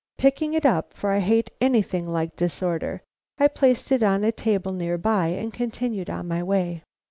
Picking it up, for I hate anything like disorder, I placed it on a table near by, and continued on my way.